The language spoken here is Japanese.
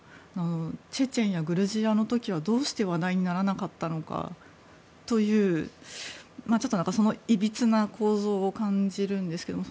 チェチェンやグルジアの時はどうして話題にならなかったのかというそのいびつな構造を感じるんですけれども。